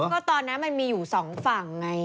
ก็ตอนนั้นมันมีอยู่สองฝั่งไง